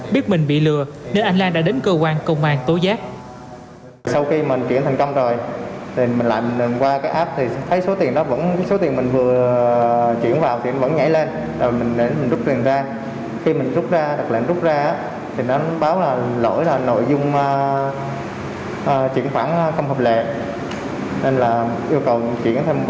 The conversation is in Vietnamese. biết mình bị lừa nên anh lan đã đến cơ quan công an tố giác